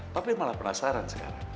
papi malah penasaran sekarang